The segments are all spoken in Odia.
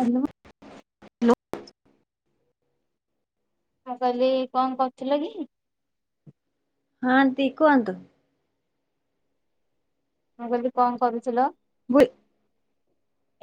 ହାଲୋ। ହ୍ୟାଲୋ ମୁଁ କହିଲି କଣ କରୁଥିଲ କି? ହଁ ନ୍ତି କୁହନ୍ତୁ? ମୁଁ କହିଲି। କଣ କରୁଥିଲ? ବୁ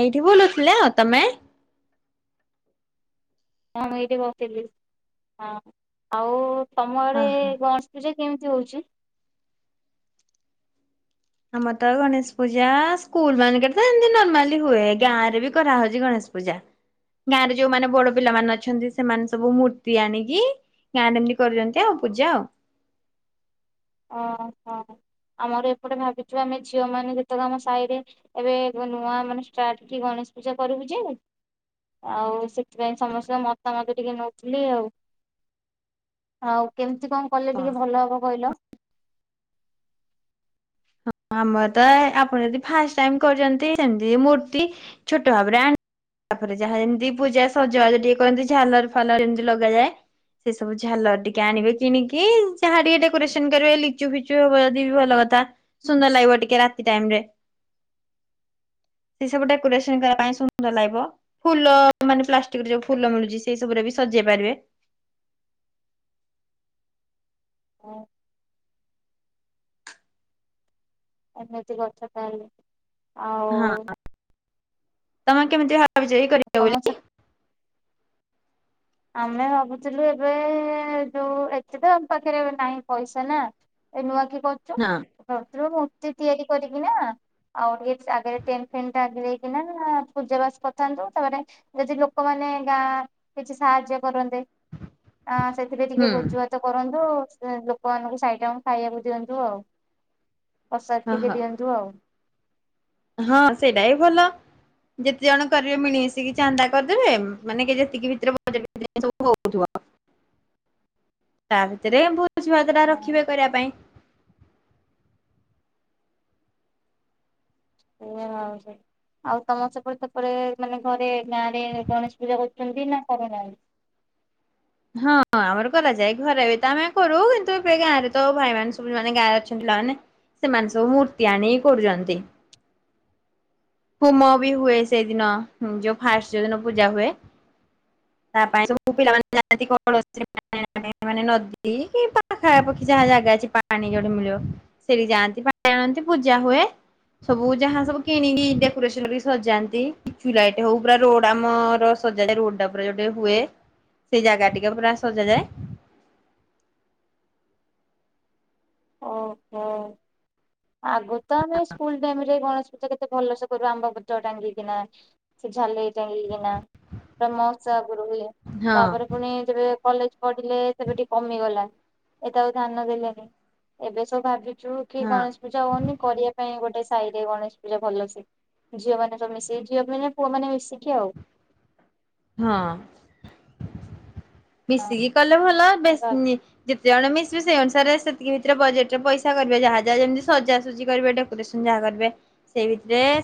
ଏଇଠି ବୁଲୁଥିଲ ତମେ। ହଁ ମୁଁ ଏଇଠି ବସଥିଲି ହଁ, ଆଉ ତମ ଆଡେ ଓହୋ। କଣ [unintelligible] ପୂଜା କେମିତି ହଉଛି? ଆମର ତ ଗଣେଶ ପୂଜା ସ୍କୁଲ ମାନଙ୍କେରେ ତ ସେମୀତି ନର୍ମାଲି ହୁଏ ଗାଁ ରେ ବି କରାହଉଛି ଗଣେଶ ପୂଜା। ଗାଁ ରେ ଯୋଉମାନେ ବଡ଼ ପିଲାମାନେ ଅଛନ୍ତି ସେମାନେ ସବୁ ମୂର୍ତ୍ତି ଆଣିକି ଗାଁରେ ଏମିତି କରୁଛନ୍ତି ଆଉ ପୂଜା ଆଉ। ଓହୋ ଆମର ଏପଟେ ଭାବିଛୁ ଆମେ ଝିଅ ମାନେ ଯେତେକ ଆମ ସାହିରେ ଏବେ ନୂଆ ମାନେ ଷ୍ଟାର୍ଟ କି ଗଣେଶ ପୂଜା କରିବୁ ଯେ ଆଉ ସେଥିପାଇଁ ସମସ୍ତଙ୍କ ମତାମତ ଟିକେ ନଉଥିଲି ଆଉ। ଆଉ କେମିତି କଣ କଲେ ଟିକେ ଭଲ ହବ କହିଲ? ହଁ ଆମର ତ ଆପଣ ଯଦି ଫାଷ୍ଟ ଟାଇମ୍ କରୁଛନ୍ତି ସେମିତି ମୂର୍ତ୍ତି ଛୋଟ [inaudible] ତାପରେ ଯାହା ଯେମିତି ପୂଜା ସଜବାଜ ଟିକେ କରନ୍ତି ଝାଲର୍ ଫାଲର୍ ଯେମିତି ଲଗାଯାଏ। ସେ ସବୁ ଝାଲର ଟିକେ ଆଣିବେ କିଣିକି ଯାହା ଟିକେ ଡେକୋରେସନ୍ କରିବେ ଲିଚୁ ଫିଚୁ ହବ ଯଦି ବି ଭଲ କଥା। ସୁନ୍ଦର ଲାଗିବ ଟିକେ ରାତି ଟାଇମ୍ ରେ। [inaudible] ସେ ସବୁ ଡେକୋରେସନ କରିବା ପାଇଁ ସୁନ୍ଦର ଲାଗିବ। ଫୁଲ ମାନେ ପ୍ଲାଷ୍ଟିକରେ ଯୋଉ ଫୁଲ ମିଳୁଛି ସେଇ ସବୁରେ ବି ସଜେଇ ପାରିବେ। ଓ ଏମିତି କଥା ତାହାଲେ। ହଁ ତମେ କେମିତି ହାତ ବିଜୟୀ କରି ତମ ଦେଉଛ? ସେ ଆମେ ଭାବୁଥିଲୁ ଏବେ ଯୋଉ ଏତେ ତ ଆମ ପାଖରେ ଏବେ ନାହିଁ ପଇସା ନା। ଏ ନୂଆକି କ ନାଁ। ରାତିରେ ମୂର୍ତ୍ତି ତିଆରି କରିବି ନା ଆଉ ଟିକେ ଆଗରେ ଟେଣ୍ଟ୍ ଫେଣ୍ଟ୍ ଟାଙ୍ଗୀ ଦେଇକିନା ପୂଜା ବାସ କରିଥାନ୍ତୁ ତାପରେ ଯଦି ଲୋକମାନେ ଗାଁ କିଛି ସାହାଯ୍ୟ କରନ୍ତେ ଆ ସେଥିରେ ଟିକେ ହୁଁ ଭୋଜି ଭାତ କରନ୍ତୁ ଲୋକମାନଙ୍କୁ ସାଇ ଟା ଖାଇବାକୁ ଦିଅନ୍ତୁ ଆଉ। ପ୍ରସାଦ ହଁ ଟିକେ ହଁ ଦିଅନ୍ତୁ ଆଉ। ହଁ ସେଇଟା ବି ଭଲ। ଯେତେ ଜଣ କରିବେ ମିଳିମିଶିକି ଚାନ୍ଦା କରିଦେବେ, ମାନେ ଯେତିକି ଭିତରେ ବଟବୁଉଥିବ ଆଉ। ତା ଭିତରେ ଭୋଜି ଭାତଟା ରଖିବେ କରିବା ପାଇଁ। [unintelligible] ଆଉ ତମ ସେପଟ ସେପ ମାନେ ଘରେ ଗାଁ ରେ ଗଣେଶ ପୂଜା କରୁଛନ୍ତି ନା କରୁ ନାହାଁନ୍ତି? ହଁ ଆମର କରାଯାଏ ଘରେ ବି ତ ଆମେ କରୁ କିନ୍ତୁ ଏବେ ଗାଁ ରେ ତ ଭାଇ ମାନେ ସବୁ ମାନେ ଗାଁରେ ଅଛନ୍ତି ପାଲା ମାନେ। ସେମାନେ ସବୁ ମୂର୍ତ୍ତି ଆଣି କରୁଛନ୍ତି। ହୁମ ବି ହୁଏ ସେଇଦିନ ଯୋଉ ଫାଷ୍ଟ ଯୋଉ ଦିନ ପୂଜା ହୁଏ। [inaudible] ତା ପାଇଁ ସବୁ ପିଲାମାନେ ଯାଆନ୍ତି [inaudible] ନଦୀ କି ପାଖାପାଖି ଯାହା ଜାଗା ଅଛି ପାଣି ପାଣି ଯୋଉଠି ମିଳିବ। ସେଠି ଯାଆନ୍ତି ପାଣି ଆଣନ୍ତି ପୂଜା ହୁଏ ସବୁ ଯାହା ସବୁ କିଣିକି ଡେକୋରେସନ ବି ସଜାନ୍ତି ଲିଚୁ ଲାଇଟ ହଉ ପୁରା ରୋଡ ଆମର ସଜାଡେ ରୋଡ ଉପୁରା ଯୋଟେ ହୁଏ। ସେଇ ଜାଗା ଟିକେ ପୁରା ସଜା ଯାଏ। ଓହୋ। ଆଗୁରୁ ତ ଆମେ ସ୍କୁଲ ଟାଇମରେ ଗଣେଶ କେତେ ଭଲ ସେ କରୁ ଆମ୍ବପତ ଟାଙ୍ଗି କିିନା ସେ ଝାଲେରି ଟାଙ୍ଗି କିନା। ବ୍ରହ୍ମଉତ୍ସ ଆଗୁରୁ ହୁଏ। ହଁ ତାପରେ ପୁଣି ଯେବେ କଲେଜ ପଢିଲେ ସେବେ ଟିକେ କମିଗଲା, ଏତ ଆଉ ଧ୍ୟାନ ଦେଲେନି। ଏବେ ସବୁ ଭାବିଛୁ କି ହଁ। ଗଣେଶ ପୂଜା ହଉନି କରିବା ପାଇଁ ଗୋଟେ ସାହି ରେ ଗଣେଶ ପୂଜା ଭଲ ସେ। ଝିଅ ମାନ ସବୁ ମିଶିକି ଝିଅ ମାନ ପୁଅ ମାନେ ମିଶିକି ଆଉ। ହଁ ମିଶିକି କଲେ ଭଲ ବେସ ଯେତେ ଜଣ ମିଶିବେ ସେଇ ଅନୁସାରେ ସେତିକି ଭିତରେ ବଜେଟରେ ପଇସା କରିବେ ଯାହା ଯାହା ଯେମିତି ସଜାସଜି କରିବା ଟ ନିଶ୍ଚିନ୍ତ ଯାହା କରିବେ ସେଇ ଭିତରେ [inaudible]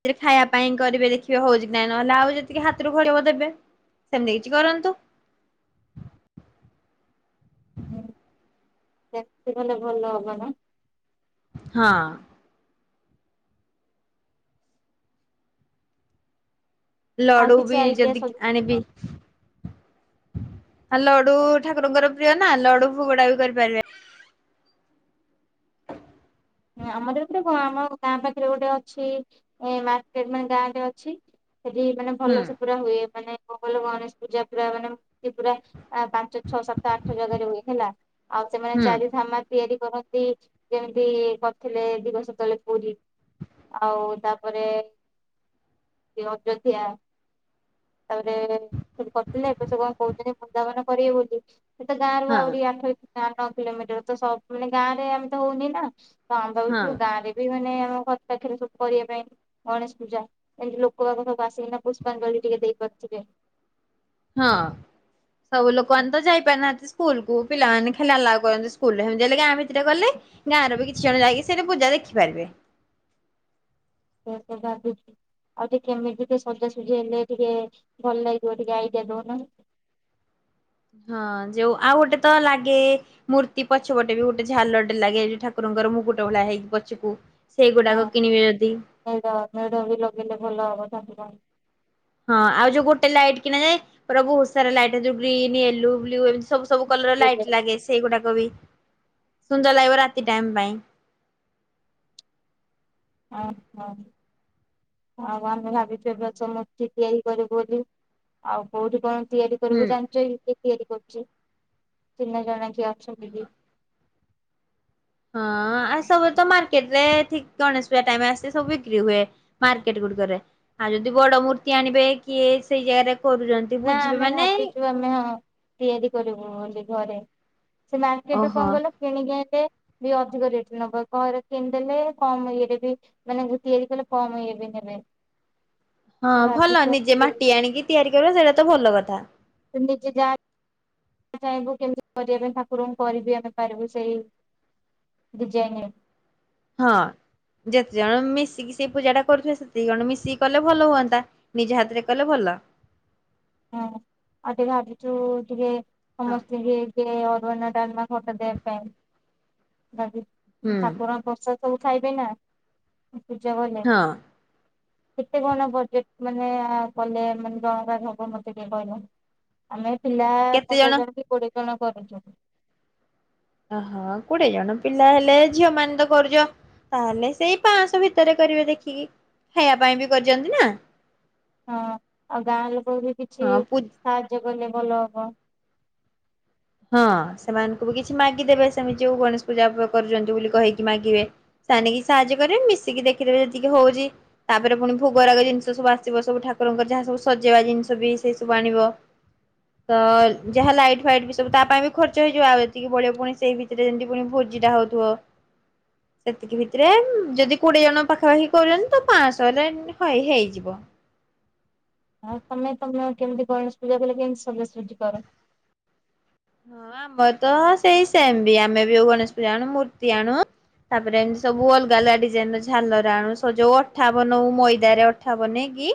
[inaudible] ରେ ଖାଇବା ପାଇଁ କରିବେ ଦେଖିବେ ହଉଛି ନାଇଁ ନହଲେ ଆଉ ଯେତିକି ହାତରୁ ପଡିବ ଦେବେ। ସେମିତି କିଛି କରନ୍ତୁ। ହୁଁ ଚାକତି ହେଲେ ଭଲ ହବ ନା? ହଁ। ଆଉ ଲଡୁ କିଛି ବି ଆଇଡିଆ ଯଦି ସବୁ କି ଆଣିବି ଆ ଲଡୁ ଠାକୁରଙ୍କର ପ୍ରିୟ ନା ଲଡୁ ଭୋଗଡା ବି କରିପାରିବେ। ଆମର ଏଥୀରେ କଣ ଆମ ଗାଁ ପାଖରେ ଗୋଟେ ଅଛି ମାର୍କେଟ ମାନେ ଗାଁରେ ଅଛି। ସେଠି ମାନେ ହୁଁ ଭଲ ସେ ପୁରା ହୁଏ ମାନେ ଗ ଗଣେଶ ପୂଜା ପୁରା ମାନେ [inaudible] ଯୋଉ ଛଅ ସାତ ଆଠ ଜାଗାରେ ହୁଏ ହେଲା। ଆଉ ସେମାନେ ହୁଁ ଚାରି ଧାମ ତିଆରି କରନ୍ତି ଯେମିତି କରିଥିଲେ ଦିବସ ତଳେ ପୁରୀ। ଆଉ ତାପରେ ସେ ଅଯୋଧ୍ୟା। ତାପରେ ସେଠି କରିଥିଲେ ଏବେ ସେ କଣ କହୁଛନ୍ତି ବୃନ୍ଦାବନ କରିବେ ବୋଲି। ଏ ତ ଗାଁ ରୁ ହଁ ଆହୁରି ଆଠ ନଅ କିଲୋମିଟର ତ ସବୁ ମାନେ ଗାଁ ରେ ଆମେ ତ ହଉନି ନା। ତ ଆମେ ହଁ ଭାବଛୁ ଗାଁରେ ବି ମାନେ ଆମ ଘର ପାଖରେ ସବୁ କରିବା ପାଇଁ। ଗଣେଶ ପୂଜା ଏମତି ଲୋକ ବାକ ସବୁ ଆସିକିନା ପୁଷ୍ପାଞଳୀ ଟିକେ ଦେଇପାରୁଥିବେ। ହଁ ସବୁ ଲୋକମାନ ତ ଯାଇପ ନା ସ୍କୁଲ କୁ ପିଲାମାନେ ଖାଲି ଆଲାଉ କରନ୍ତି ସ୍କୁଲରେ ଏମିତି ହେଲେ ଭିତରେ କଲେ ଗାଁ ରେ ବି କିଛି ଜଣ ଯାଇକି ସେଇଠି ପୂଜା ଦେଖିପାରିବେ। ସେୟା ତ ଭାବୁଛୁ। ଆଉ ଟିକେ କେମିତି ଟିକେ ସଜାସଜି ହେଲେ ଟିକେ ଭଲ ଲାଗିବ ଟିକେ ଆଇଡିଆ ଦଉନୁ। ହଁ ଯୋଉ ଆଉ ଗୋଟେ ତ ଲାଗେ। ମୂର୍ତ୍ତି ପଛପଟେ ବି ଗୋଟେ ଝାଲଟେ ଲାଗେ ଠାକୁରଙ୍କର ମୁଁକୁଟ ଭଳିଆ ହେଇକି ପଛକୁ ସେଇଗୁଡାକ ହଁ କିଣିବି ଯଦି। ମେଢ ମେଢ ବି ଲଗେଇଲେ ଭଲ ହବ ତାସଇତ। ହଁ ଆଉ ଯୋଉ ଗୋଟେ ଲାଇଟ୍ କିଣା ଯାଏ ପୁରାକୁ ଓସାର ଲାଇଟ୍ ଯୋଉ ଗ୍ରୀନ୍ ୟେଲୋ ବ୍ଲୁ ଏ ସବୁ ସବୁ କଲର ଲାଇଟ ଲାଗେ ସେଇଗୁଡାକ ବି ସୁନ୍ଦର ଲାଗିବ ରାତି ଟାଇମ ପାଇଁ। ଓହୋ ଆଉ ଆମେ ଭାବିଚୁ ଏ ବଛ ମୂର୍ତ୍ତି ତିଆରି କରିବୁ ବୋଲି। ଆଉ କୋଉଠି କଣ ତିଆରି? ଉପରକୁ ହୁଁ ଯଣିଚକି କିଏ ତିଆରି କରୁଛି ଚିହନା ଜଣା କିଏ ଅଛନ୍ତି କି। ହଁ ଆ ସବୁ ତ ମାର୍କେଟ ରେ ଠିକ ଗଣେଶ ପୂଜା ଟାଇମ ଆସି ସବୁ ବିକ୍ରି ହୁଏ। ମାର୍କେଟ ଗୁଡିକରେ ଆଉ ଯଦି ବଡ ମୂର୍ତ୍ତି ଆଣିବେ କିଏ ସେଇ ଜାଗାରେ କରୁଛନ୍ତି। ନା ବୁଝିବେ ଆମେ ମାନେ ଭାବିଛୁ ଆମେ ହଁ। ତିଆରି କରିବୁ ବୋଲି ଘରେ ସେ ମାର୍କେଟ ରୁ ଓହୋ କଣ କଇଲ କିଣିକି ଆଣେଲେ। ଜି ଏ ଅଧିକ ରେଟ ନବ କମରେ କିଣିଦେଲେ କମ ଇଏରେ ବି। ମାନେ ତିଆରି କଲେ କମ ଇଏ ବି ନେବେ। ହଁ ଭଲ ଭାବିଛୁ ନିଜେ ମାଟି ଆଣିକି ତିଆରି କରିବା ସେଇଟା ତ ଭଲ କଥା। ତ ନିଜେ ଯା। ଚାହିଁବୁ କେମିତି କରିବା ପାଇଁ ଠାକୁରଙ୍କୁ କରିବି ଆମେ ପାରିବୁ ସେଇ ଡିଜାଇନରେ। ହଁ ଯେତେ ଜଣ ମିଶିକି ସେଇ ପୂଜା ଟା କରୁିଚୁ ସେତକି ଜଣ ମିଶିକି କଲେ ଭଲ ହୁଅନ୍ତା। ନିଜ ହାତରେ କଲେ ଭଲ। ହୁଁ ଆଉ ଟିକେ ଭାବିଛୁ ଟିକେ ହଁ ସମସ୍ତେ। ଟିକେ ଅରୁଆନ ଟାଲମା ଖୋଟା ଦେବ ପାଇଁ ଭାବିଛୁ ହୁଁ ଠାକୁରଙ୍କ ପ୍ରସାଦ। ସବୁ ଖାଇବେ ନା ପୂଜା ଗଲେ। ହଁ। କେତେ କଣ ବଜେଟ ମାନେ କଲେ ମାନେ ଜଣଙ୍କ ହବ ମତେ ଟିକେ କହିଲ। ଆମେ ପିଲା ପନ୍ଦର ଜଣ କି କୋଡିଏ ଜଣ କରୁଚୁ। ଓହୋ କୋଡିଏ ଜଣ ପିଲା ହେଲେ ଝିଅ ମାନ ତ କରୁଛ। ତାହେଲେ ସେଇ ପାଞ୍ଚଶହ ଭିତରେ କରିବେ ଦେଖିକି ଖବା ପାଇଁ ବି କରିଛନ୍ତି ନା। ହଁ ଆଉ ଗାଁ ଲୋକ ବି କିଛି ହଁ ପୁ ସାହାଯ୍ୟ କଲେ ଭଲ ହବ। ହଁ ସେମାନଙ୍କୁ ବି କିଛି ମାଗିଦେବେ ସେମିତି ଯୋଉ ଗଣେଶ ପୂଜା କରୁଛନ୍ତି ବୋଲି କହିକି ମାଗିବେ। ସୋନିକି ସାହାଯ୍ୟ କରିବେ ମିଶିକି ଦେଖିଦେବେ ଯେତିକି ହଉଛି। ତାପରେ ପୁଣି ଭୋଗରାଗ ଜିନିଷ ସବୁ ଆସିବ ସବୁ ଠାକୁରଙ୍କର ଯାହା ସବୁ ସଜେଇବା ଜିନିଷ ବି ସେଇ ସବୁ ଆଣିବ। ତ ଯାହା ଲାଇଟ ଫାଇଟ। ତା ପାଇଁ ବି ଖର୍ଚ ହେଇଯିବ ଆଉ ଏତିକି ବଳିବ ପୁଣି ସେଇ ଭିତରେ ଯେମିତି ପୁଣି ଭୋଜିଟା ହଉଥିବ। ସେତିକି ଭିତରେ ଯଦି କୋଡିଏ ଜଣ ପାଖାପାଖି କରୁଛନ୍ତି ତ ପାଞ୍ଚଶହ ହେଲେ। ହଁ ହେଇଯିବ। ହଉ ତମେ ତମେ କେମିତି ଗଣେଶ ପୂଜା କଲେ କେମିତି ସବଜସୁଜି କର। ହଁ ଆମର ତ ସେଇ ସେମ ବି ଆମେ ବିଉ ଗଣେଶ ପୂଜା ଆଣୁ ମୂର୍ତ୍ତି ଆଣୁ। ତାପରେ ଏମିତି ସବୁ ଅଲଗା ଅଲଗା ଡିଜାଇନ ର ଝାଲର ଆଣୁ ସ ଯୋଉ ଅଠାବ ବନଉ ମଇଦାରେ। ଅଠା ବନ‌ଇ କିି।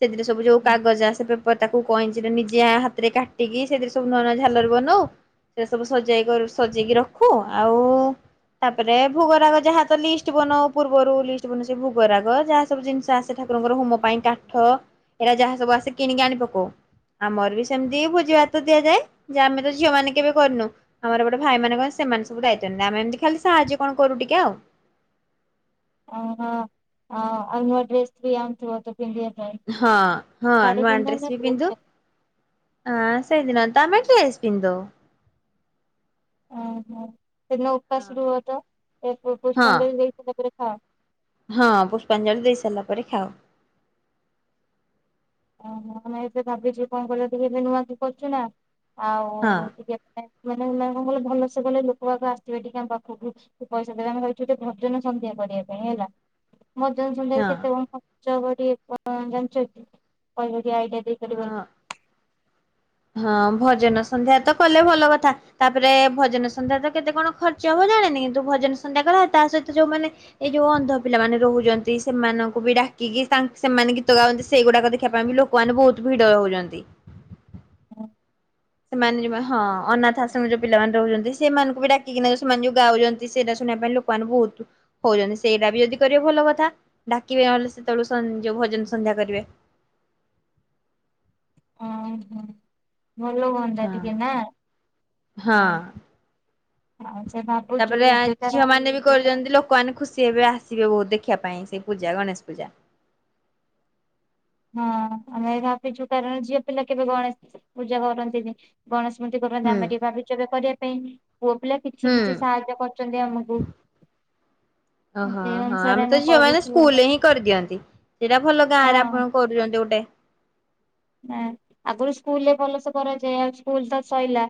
ସେଥିରେ ସବୁ ଯୋଉ କାଗଜ ଆସ ସେ ପେପର ତାକୁ କଇଁଚିରେ ନିଜେ ହାତ ରେ କାଟିକି ସେଥିରେ ସବୁ ନୂଆ ନୂ ଝାଲ। ବନ‌ଉ ସେ ସବୁ ସଜେଇକରୁ ସଜେଇକି ରଖୁ ଆଉ ତାପରେ ଭୋଗରାଗ ଯାହା ତ ଲିଷ୍ଟ ବନଉ ପୂର୍ବରୁ ଲିଷ୍ଟ ବନ ସେ ଭୋଗରାଗ ଯାହା ସବୁ ଜିନିଷ ଆସେ। ଠାକୁରଙ୍କର ହୁମ୍ ପାଇଁ କାଠ ଏରା ଯାହା ସବୁ ଆସେ କିଣିକି ଆଣି ପକଉ। ଆମର ବି ସେମ୍ତି ଭୋଜି ଭାତ ଦିଆଯାଏ ଯେ ଆମେ ତ ଝିଅ ମାନେ କେବେ କରିନୁ। ଆମର ଗୋଟେ ଭାଇ ମାନେ କଣ ସେମାନେ ସବୁ ଦାୟିତ୍ୱ ନିୟନ୍ତି ଆମେ ଏମ୍ତି ଖାଲି ସାହାର୍ଯ୍ୟ କଣ କରୁ ଟିକେ ଆଉ। ଅ ହଁ ଆ ନୁଆ ଡ୍ରେସ୍ ବି [unintelligible] ପିନ୍ଧିଆ ପାଇଁ। ହଁ-ହଁ ଶାଢୀ ନୂଆ ପିନ୍ଧ ଡ୍ରେସ୍ ନା ବି ଡ୍ରେସ ପିନ୍ଧୁ। ପିନ୍ଧ ହଁ ସେଇଦିନ ତ ‌ଆମେ ଡ୍ରେସ୍ ପିନ୍ଧି ଦଉ। ଓହୋ, ସେଦିନ ଉପାସ୍ ରୁହ ତ ହଁ ପୁଷ୍ପାଞ୍ଜଳି ଦେଇସାରିଲା ପରେ ଖାଅ। ହଁ ପୁଷ୍ପାଞ୍ଜଳି ଦେଇ ସାରିଲା ପରେ ଖାଉ। ଓହୋ, ମାନେ ଏବେ ଭାବିଚୁ କଣ କହିଲ ଟିକେ ଏବେ ନୂଆ କି କରୁଚୁ ନା ହଁ ଆଉ ମାନେ କଣ କଲେ ଭଲସେ କଲେ ଲୋକ ବାକ ଆସିବେ ଟିକା ଆମ ପାଖକୁ। ପଇସା ଦେବେ ଆମେ ଭାବିଚୁ ଟିକେ ଭଜନ ସନ୍ଧ୍ୟା କରିବା ପାଇଁ ହେଲା। ଭଜନ ସନ୍ଧ୍ୟାରେ ହଁ। କେତେ କଣ ଖର୍ଚ ହବ ‌ଟିକେ ଜାଣିଚ କି? କଣ ଗୋଟେ ଆଇଡିଆ ଦେଇପାରିବ ହଁ କି? ହଁ ଭଜନ ସନ୍ଧ୍ୟା ତ କଲେ ଭଲ କଥା। ତାପରେ ଭଜନ ସନ୍ଧ୍ୟା ତ କେତେ କଣ ଖର୍ଚ୍ଚ ହବ ଜାଣନି କିନ୍ତୁ ଭଜନ ସନ୍ଧ୍ୟା [unintelligible] ତା ସହିତ ଯୋଉ ମାନେ ଏଇ ଯୋଉ ଅନ୍ଧ ପିଲା ମାନେ ରହୁଚନ୍ତି ସେମାନଙ୍କୁ ବି ଡାକିକି ସେମାନେ ଗୀତ ଗାଉଚନ୍ତି ସେଇଗୁଡାକ ଦେଖିବା ପାଇଁ ବି ଲୋ କମାନେ ବହୁତ୍ ଭିଡ ହଉଚନ୍ତି। ସେମାନେ ଯୋଉମାନେ ହଁ ଅନାଥ ଆସ୍ରମରେ ଯୋଉ ପିଲାମାନେ ରହୁଚନ୍ତି ସେମାନଙ୍କୁ ବି ଡାକିକିନା ସେମାନେ ଯୋଉ ଗାଉଚନ୍ତି ସେଇଟା ଶୁଣିବା ପାଇଁ ଲୋକ କମାନେ ବହୁତ୍ [unintelligible] ସେଇଟା ବି ଯଦି କରିବେ ଭଲ କଥା ଡାକିବେ ନହେଲେ ସେତେବେଳେ ଯ ଭଜନ ସନ୍ଧ୍ୟା କରିବେ। ଓ ହଁ ଭଲ ହୁଅନ୍ତା ହଁ ଟିକେ ନା? ହଁ ଆଉ ସେ ଭାବୁଛୁ ତାପରେ ଆ ଏବେକା ଝିଅମାନେ ବି କରୁଚନ୍ତି ଲୋ କମାନେ ଖୁସି ହେବେ ଆସିବେ ବହୁତ୍ ଦେଖିବା ପାଇଁ ସେଇ ପୂଜା ଗଣେଶ ପୂଜା। ହଁ ଆମେ ଭାବିଚୁ କାରଣ ଝିଅ ପିଲା କେବେ ଗଣେଶ ପୂଜା କରନ୍ତିନି। ଗଣେଶ ମୂର୍ତ୍ତି କରନ୍ତି ହୁଁ ଆମେ ଟିକେ ଭାବିଚୁ ଏବେ କରିବା ପାଇଁ। ପୁଅ ପିଲା ହୁଁ। କିଛି-କିଛି ସାହାଯ୍ୟ କରୁଚନ୍ତି ଆମୁକୁ। ଓହୋ ହଁ ଅନୁସାରେ ଆମେ ତ ଝିଅମାନେ କରୁଛୁ ସ୍କୁଲରେ ହିଁ କରିଦିଅନ୍ତି, ସେଇଟା ଭଲ ହଁ ଗାଁରା [unintelligible] କରୁଚନ୍ତି ଗୋଟେ। ନା ଆଗରୁ ସ୍କୁଲରେ ଭଲସେ କରାଯାଏ ଆଉ ସ୍କୁଲ ତ ସଇଲା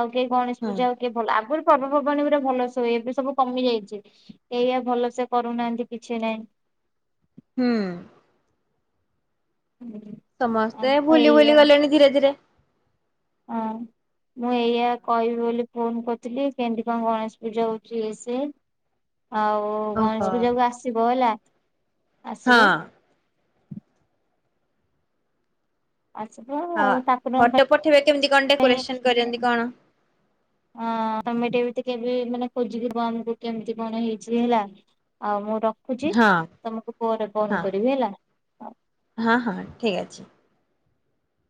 ଆଉ କେହି ଗଣେଶ ହଁ ପୂଜା [unintelligible] ଭଲ ଅଗୁରୁ ପର୍ବପର୍ବାଣୀ ପୁରା ଭଲସେ ହୁଏ, ଏବେ ସବୁ କମି ଯାଇଚି। ଏଇଆ ଭଲସେ କରୁନାହାନ୍ତି କିଛି ନାହିଁ। ହୁଁ। ହୁଁ। ସମସ୍ତେ ଭୁଲି-ଭୁଲି ଗଲେଣି ଧୀରେ-ଧୀରେ। ହଁ। ମୁଁ ଏଇଆ କହିବି ବୋଲି ଫୋନ୍ କରିୁଥିଲି କେନ୍ତି କଣ ଗଣେଶ ପୂଜା ହଉଚି ଇଏ ସିଏ। ଆଉ ଓହୋ ଗଣେଶ ପୂଜା କୁ ଆସିବ ହେଲା। ହଁ। ଆସିବ ଆସିବ ହଁ ଆଉ ଠାକୁରଙ୍କ ଫଟୋ ପଠେଇବେ କେମିତି କଣ ପାଇଁ ଡେକୋରେସନ କରିଛନ୍ତି କଣ? ହଁ ତମେ ଟିକେ ମାନେ ଖୋଜିବ ଆମକୁ କେମିତି କଣ ହେଇଚି ହେଲା। ଆଉ ମୁଁ ରଖୁଚି, ହଁ ତମକୁ ପରେ ଫୋନ୍ ହଁ କରିବି ହେଲା। ହଁ ହଁ ଠିକ୍ ଅଛି।